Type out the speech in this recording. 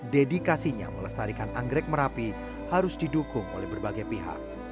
dedikasinya melestarikan anggrek merapi harus didukung oleh berbagai pihak